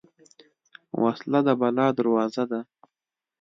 وسله د بلا دروازه ده